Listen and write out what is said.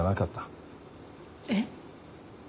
えっ？